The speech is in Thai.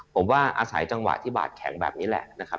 ผมว่าอาศัยจังหวะที่บาดแข็งแบบนี้แหละนะครับ